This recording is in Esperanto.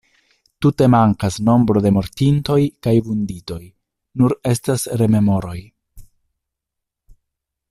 Tute mankas nombro de mortintoj kaj vunditoj, nur estas rememoroj.